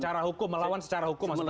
secara hukum melawan secara hukum maksud anda